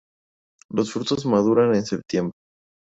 Los frutos maduran en septiembre.